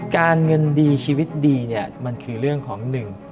การเงินดีชีวิตดีเนี่ยมันคือเรื่องของหนึ่ง